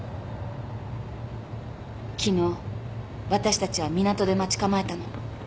昨日私たちは港で待ち構えたの。